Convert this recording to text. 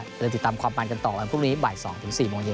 ติดตามความมันกันต่อวันพรุ่งนี้บ่าย๒๔โมงเย็น